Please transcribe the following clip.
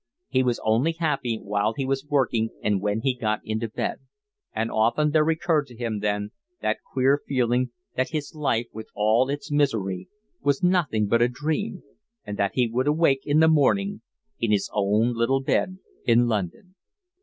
He was only happy while he was working and when he got into bed. And often there recurred to him then that queer feeling that his life with all its misery was nothing but a dream, and that he would awake in the morning in his own little bed in London.